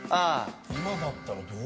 今だったらどうだ？